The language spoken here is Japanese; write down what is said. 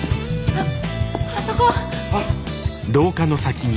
あっ！